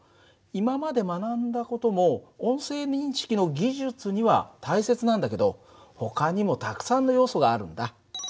今まで学んだ事も音声認識の技術には大切なんだけどほかにもたくさんの要素があるんだ。